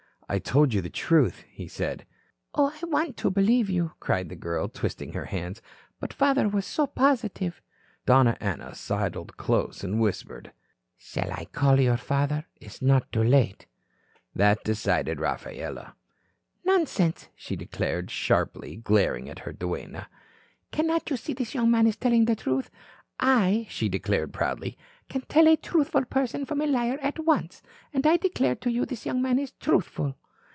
"I told you the truth," he said. "Oh, I want to believe you," cried the girl, twisting her hands. "But father was so positive." Donna Ana sidled close and whispered: "Shall I call your father? It is not too late." That decided Rafaela. "Nonsense," she declared, sharply, glaring at her duenna. "Cannot you see this young man is telling the truth? I," she declared proudly, "can tell a truthful person from a liar at once. And I declare to you this young man is truthful."